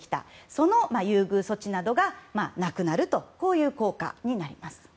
その優遇措置などがなくなるという効果になります。